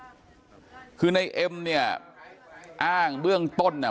นี่คือที่ในเอ็มเนี่ยอ้างเรื่องต้นนะ